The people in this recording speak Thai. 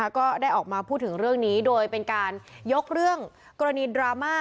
ก็ได้ออกมาพูดถึงเรื่องนี้โดยเป็นการยกเรื่องกรณีดราม่า